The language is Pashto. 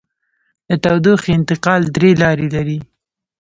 د تودوخې انتقال درې لارې لري.